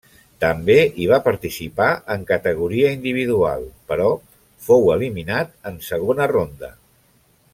També hi va participar en categoria individual però fou eliminat en segona ronda.